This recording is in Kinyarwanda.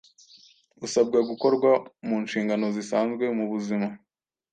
usabwa gukorwa mu nshingano zisanzwe mu buzima,